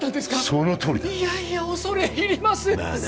そのとおりだいやいや恐れ入りますまあな